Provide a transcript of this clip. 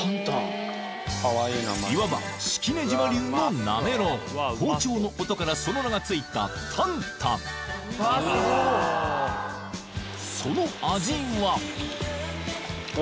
いわば式根島流のなめろう包丁の音からその名が付いたたんたんその味は？